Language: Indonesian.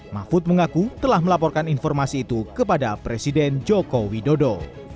mahfud mengaku telah melaporkan informasi itu kepada presiden joko widodo